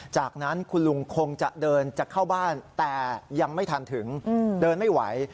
จากนั้นคุณลุงคงจะเดินจะเข้าบ้านแต่ยังไม่ทันถึงเดินไม่ไหว